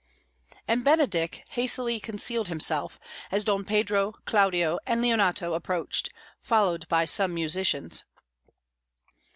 And Benedick hastily concealed himself, as Don Pedro, Claudio, and Leonato approached, followed by some musicians.